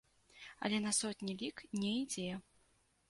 Але на сотні лік не ідзе.